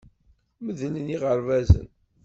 Medlen yiɣerbazen.